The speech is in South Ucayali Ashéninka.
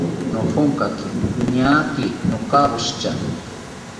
Nojonkaki iñaaki nokawoshitya